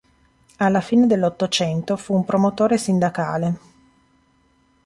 Alla fine dell'Ottocento fu un promotore sindacale.